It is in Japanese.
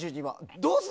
どうする？